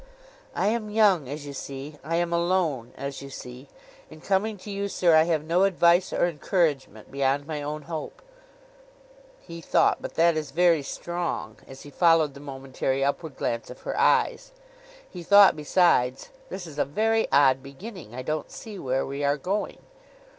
'I am young, as you see; I am alone, as you see. In coming to you, sir, I have no advice or encouragement beyond my own hope.' He thought, 'But that is very strong,' as he followed the momentary upward glance of her eyes. He thought besides, 'This is a very odd beginning. I don't see where we are going.